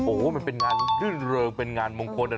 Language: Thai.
โอ้โฮมันเป็นงานภึ้นเริงเป็นงานมงคลอ่ะเนอะ